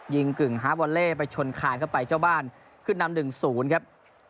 ยิงกรึ่งฮาบวอเล่ไปชนคานเข้าไปเจ้าบ้านขึ้นดำหนึ่งศูนย์ครับ